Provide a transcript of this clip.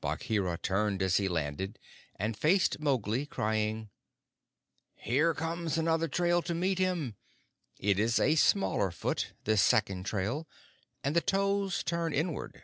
Bagheera turned as he landed, and faced Mowgli, crying, "Here comes another trail to meet him. It is a smaller foot, this second trail, and the toes turn inward."